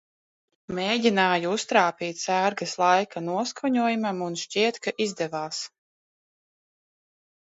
Mēģināju uztrāpīt sērgas laika noskaņojumam, un, šķiet, ka izdevās.